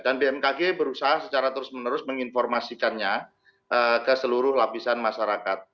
dan bmkg berusaha secara terus menerus menginformasikannya ke seluruh lapisan masyarakat